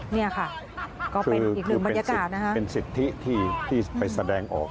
เนี่ยค่ะก็เป็นอีกหนึ่งบรรยากาศนะคะเป็นสิทธิที่ไปแสดงออก